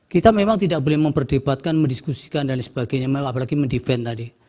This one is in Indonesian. kita memang tidak boleh memperdebatkan mendiskusikan dan sebagainya apalagi mendefense tadi